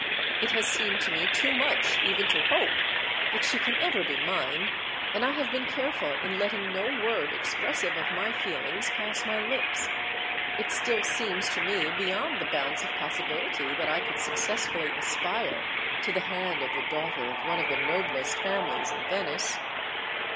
It has seemed to me too much, even to hope, that she can ever be mine, and I have been careful in letting no word expressive of my feelings pass my lips. It still seems, to me, beyond the bounds of possibility that I could successfully aspire to the hand of the daughter of one of the noblest families in Venice."